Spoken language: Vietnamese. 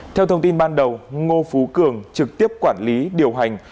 theo thông tin ban đầu ngô phú cường trực tiếp quản lý điều hành